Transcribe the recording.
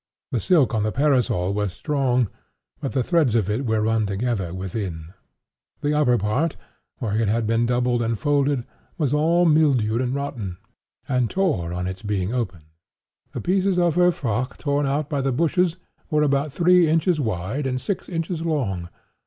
The silk on the parasol was strong, but the threads of it were run together within. The upper part, where it had been doubled and folded, was all mildewed and rotten, and tore on its being opened..... The pieces of her frock torn out by the bushes were about three inches wide and six inches long.